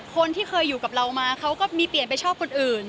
คนที่เคยอยู่กับเรามาเขาก็มีเปลี่ยนไปชอบคนอื่น